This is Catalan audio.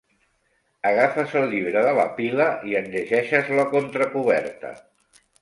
Agafes el llibre de la pila i en llegeixes la contracoberta.